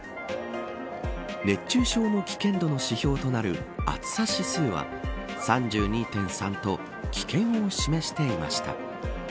熱中症の危険度の指標となる暑さ指数は３２．３と危険を示していました。